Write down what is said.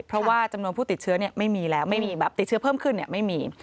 เพราะว่าจำนวนผู้ติดเชื้อไม่มีแล้วไม่มีแบบติดเชื้อเพิ่มขึ้นไม่มี